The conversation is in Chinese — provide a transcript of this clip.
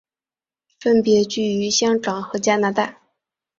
分别居于香港和加拿大。